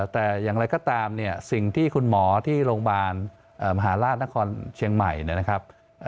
แต่อย่างไรก็ตามเนี่ยสิ่งที่คุณหมอที่โรงพยาบาลมหาราชนครเชียงใหม่เนี่ยนะครับ